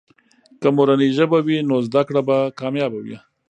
که مورنۍ ژبه وي، نو زده کړه به کامیابه وي.